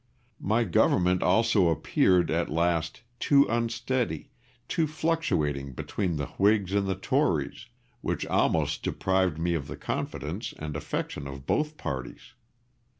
My government also appeared, at last, too unsteady, too fluctuating between the Whigs and the Tories, which almost deprived me of the confidence and affection of both parties.